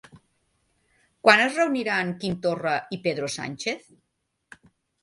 Quan es reuniran Quim Torra i Pedro Sánchez?